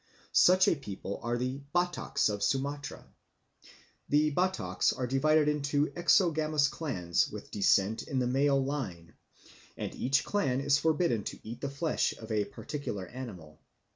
Such a people are the Bataks of Sumatra. The Bataks are divided into exogamous clans (margas) with descent in the male line; and each clan is forbidden to eat the flesh of a particular animal.